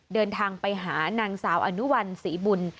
เดินทางไปหานางสาวอนุวัลศรีบุญ